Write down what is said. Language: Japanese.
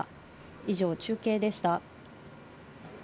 以上、中継でした。